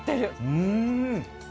うん！